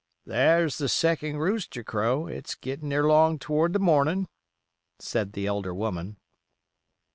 "Thar's the second rooster crow, it's gittin' erlong toward the mornin'," said the elder woman.